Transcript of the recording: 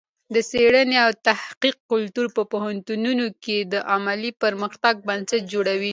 د څېړنې او تحقیق کلتور په پوهنتونونو کې د علمي پرمختګ بنسټ جوړوي.